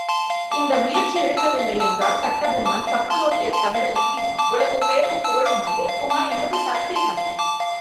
இந்த முயற்சி எடுக்கவில்லை என்றால் கட்டபொம்மன், கப்பலோட்டிய தமிழனுக்கு இவ்வளவு பேரும் புகழும் வந்திருக்குமா, என்பது சந்தேகமே!